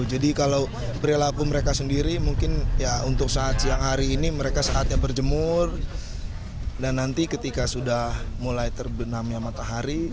jadi kalau perilaku mereka sendiri mungkin ya untuk saat siang hari ini mereka saatnya berjemur dan nanti ketika sudah mulai terbenamnya matahari